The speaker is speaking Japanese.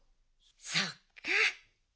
そっか。